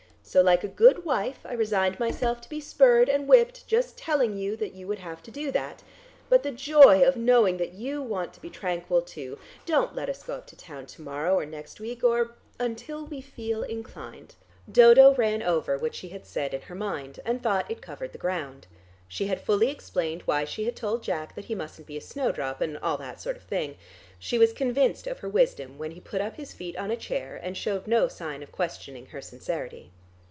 So, like a good wife, I resigned myself to be spurred and whipped, just telling you that you would have to do that. But the joy of knowing that you want to be tranquil, too! Don't let us go up to town to morrow, or next week, or until we feel inclined." Dodo ran over what she had said in her mind, and thought it covered the ground. She had fully explained why she had told Jack that he mustn't be a snowdrop, and all that sort of thing. She was convinced of her wisdom when he put up his feet on a chair, and showed no sign of questioning her sincerity.